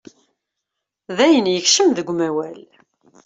Dayen ikcem deg umawal.